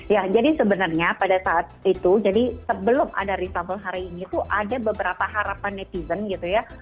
ya jadi sebenarnya pada saat itu jadi sebelum ada reshuffle hari ini tuh ada beberapa harapan netizen gitu ya